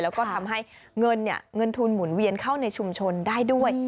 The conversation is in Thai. แล้วก็ทำให้เงินทุนหมุนเวียนเข้าในชุมชนได้ด้วย